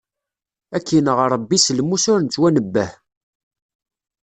Ad k-ineɣ Ṛebbi s lmus ur nettwanebbeh!